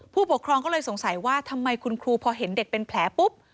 ผู้ปกครองก็เลยสงสัยว่าทำไมคุณครูพอเห็นเด็กเป็นแผลปุ๊บ